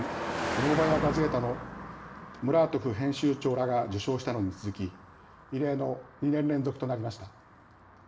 ノーバヤ・ガゼータのムラートフ編集長らが受賞したのに続き異例の２年連続となりました。